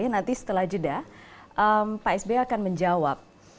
nanti setelah jeda pak s b akan menjawab